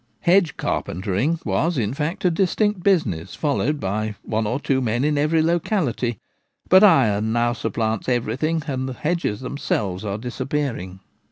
Hedge carpentering was, in fact, a distinct business, followed by one or two men in every locality ; but iron now supplants everything, and the hedges them selves are disappearing.